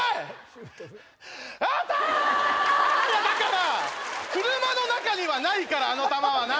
だから車の中にはないからあの球は。